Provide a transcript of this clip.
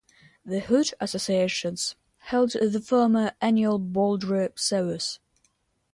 The "Hood" Association's held the former Annual Boldre Service.